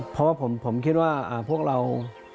เพราะว่าผมคิดว่าพวกเรา